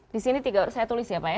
di sini tiga orang saya tulis ya pak ya